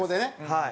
はい。